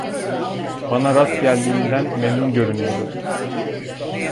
Bana rast geldiğinden memnun görünüyordu.